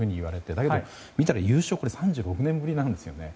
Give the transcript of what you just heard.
だけど、優勝は３６年ぶりなんですよね。